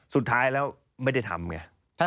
สุดท้ายแล้วไม่ได้ทำไง